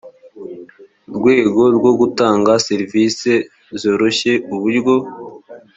rwego rwo gutanga serivisi zoroshya uburyo